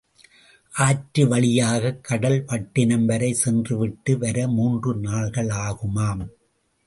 ஆற்று வழியாகக் கூடல் பட்டணம் வரை சென்றுவிட்டு, வர மூன்று நாள்களாகுமாம்.